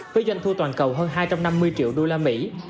với doanh thu toàn cầu hơn hai trăm năm mươi triệu usd